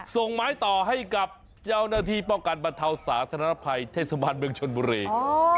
ส่งไม้ต่อให้กับเจ้าหน้าที่ป้องกันบรรเทาสาธารณภัยเทศบาลเมืองชนบุรี